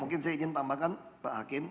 mungkin saya ingin tambahkan pak hakim